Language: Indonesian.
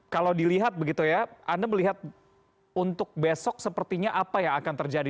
kalau dilihat begitu ya anda melihat untuk besok sepertinya apa yang akan terjadi